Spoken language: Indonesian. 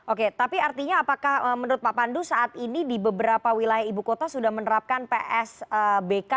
oke tapi artinya apakah menurut pak pandu saat ini di beberapa wilayah ibu kota sudah menerapkan psbb